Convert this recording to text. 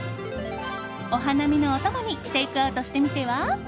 お花見のお供にテイクアウトしてみては？